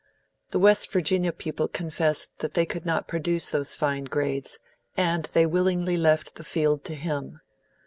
The West Virginia people confessed that they could not produce those fine grades, and they willingly left the field to him.